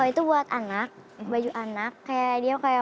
kalo itu buat anak baju anak kayak dia mau pesta tapi